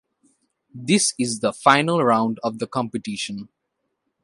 This is the final round of the competition.